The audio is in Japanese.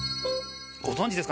ご存じですかね？